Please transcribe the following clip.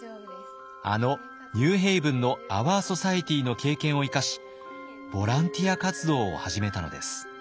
あのニューヘイブンのアワー・ソサエティの経験を生かしボランティア活動を始めたのです。